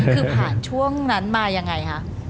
คือผ่านช่วงนั้นมายังไงคะ